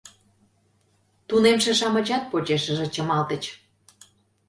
Тунемше-шамычат почешыже чымалтыч.